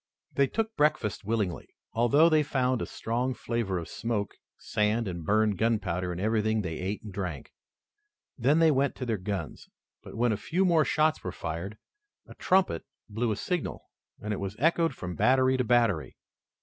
They took breakfast willingly, although they found a strong flavor of smoke, sand, and burned gunpowder in everything they ate and drank. Then they went to their guns, but, when a few more shots were fired, a trumpet blew a signal, and it was echoed from battery to battery.